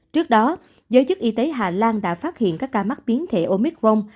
trước đó giới chức y tế hà lan đã phát hiện các ca mắc biến thể omicron